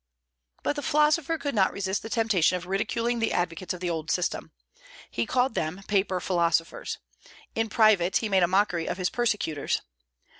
But the philosopher could not resist the temptation of ridiculing the advocates of the old system. He called them "paper philosophers." In private he made a mockery of his persecutors.